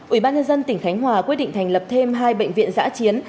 ủy ban nhân dân tỉnh khánh hòa quyết định thành lập thêm hai bệnh viện giã chiến